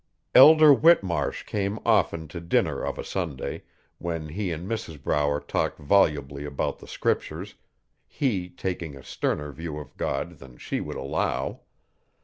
Elder Whitmarsh came often to dinner of a Sunday, when he and Mrs Brower talked volubly about the Scriptures, he taking a sterner view of God than she would allow.